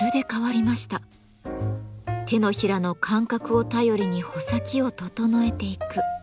手のひらの感覚を頼りに穂先を整えていく。